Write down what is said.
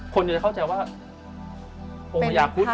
คนจะเข้าใจว่าองค์พระยาคุฑ